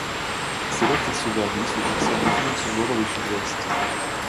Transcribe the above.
C’est là qu’il se marie se fixant définitivement dans le Sud-Ouest.